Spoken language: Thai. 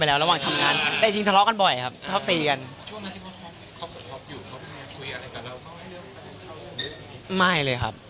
คือถ้าถามไว้ก็โดนด่ากลับมาครับ